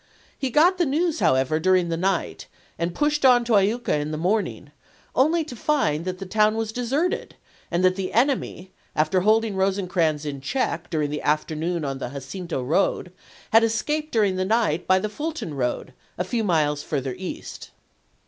He got the news, however, during the night, and pushed on to Iuka in the morning, only to find that the town was deserted and that the enemy, after hold ing Eosecrans in check during the afternoon on the Jacinto road, had escaped during the night by the Fulton road, a few miles further east.